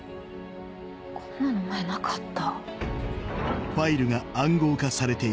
こんなの前なかった。